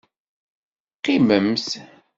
Qqimemt!